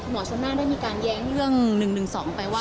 ชนหน้าได้มีการแย้งเรื่อง๑๑๒ไปว่า